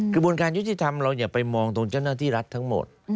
กระบวนการยุติธรรมเราอย่าไปมองตรงเจ้าหน้าที่รัฐทั้งหมด